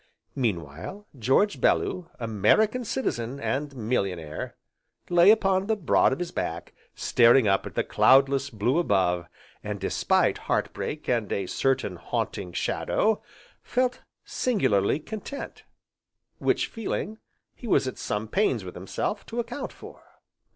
Meanwhile, George Bellew, American Citizen, and millionaire, lay upon the broad of his back, staring up at the cloudless blue above, and despite heart break, and a certain Haunting Shadow, felt singularly content, which feeling he was at some pains with himself to account for.